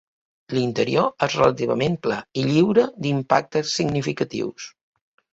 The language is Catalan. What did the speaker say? L'interior és relativament pla i lliure d'impactes significatius.